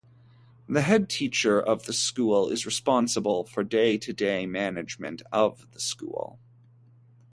The headteacher of the school is responsible for day-to-day management of the school.